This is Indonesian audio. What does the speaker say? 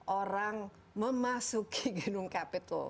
orang memasuki gedung capitol